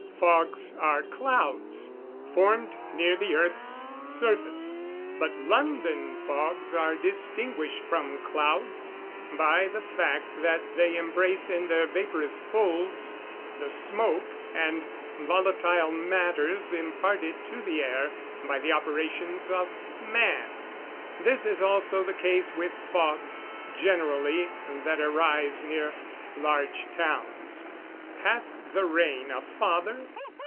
_ Fogs are clouds formed near the earth's surface_;_ but London fogs are distinguished from clouds by the fact that they embrace in their vaporous folds the smoke and volatile matters imparted to the air by the operations of man. This is also the case with fogs generally that arise near large towns. [Verse: "Hath the rain a father?